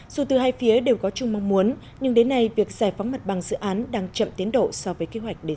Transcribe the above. dù từ hai phía đều có chung mong muốn nhưng đến nay việc giải phóng mặt bằng dự án đang chậm tiến độ so với kế hoạch đề ra